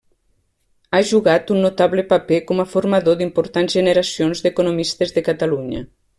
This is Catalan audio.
Ha jugat un notable paper com a formador d'importants generacions d'economistes de Catalunya.